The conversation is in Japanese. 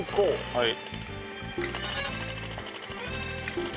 はい。